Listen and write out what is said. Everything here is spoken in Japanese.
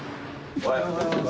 おはようございます。